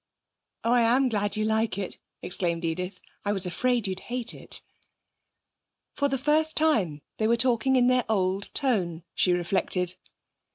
'Oh, I am glad you like it!' exclaimed Edith. 'I was afraid you'd hate it.' For the first time they were talking in their old tone, she reflected.